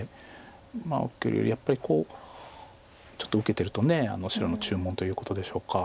まあやっぱりちょっと受けてると白の注文ということでしょうか。